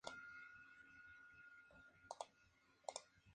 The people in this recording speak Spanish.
Una apropiación transcontinental", en "Mitologías Hoy".